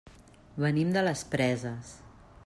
Venim de les Preses.